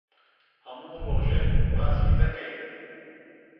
هەموو ڕۆژێک باسی دەکەین.